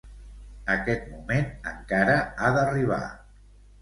Aquest moment encara ha d'arribar.